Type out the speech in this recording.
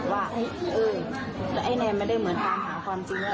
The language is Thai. ว่าเออแต่ไอ้แนนไม่ได้เหมือนตามหาความจริง